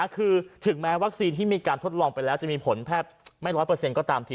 ถึงแม้วัคซีนที่มีการทดลองไปแล้วจะมีผลแพทย์ไม่ร้อยเปอร์เซ็นต์ก็ตามที